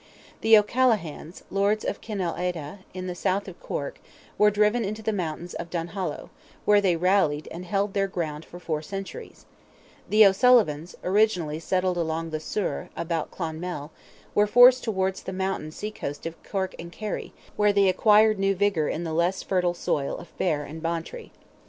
The O'Callaghans, Lords of Cinel Aedha, in the south of Cork, were driven into the mountains of Duhallow, where they rallied and held their ground for four centuries; the O'Sullivans, originally settled along the Suir, about Clonmel, were forced towards the mountain seacoast of Cork and Kerry, where they acquired new vigour in the less fertile soil of Beare and Bantry.